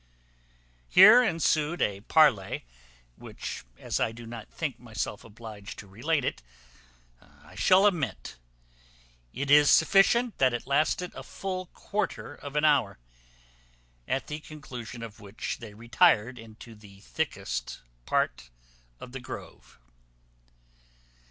Here ensued a parley, which, as I do not think myself obliged to relate it, I shall omit. It is sufficient that it lasted a full quarter of an hour, at the conclusion of which they retired into the thickest part of the grove.